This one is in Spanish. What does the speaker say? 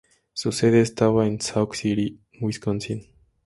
Su sede estaba en Sauk City, Wisconsin.